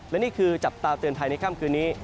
และนี่คือจับตาเตือนภัยในค่ำคืนนี้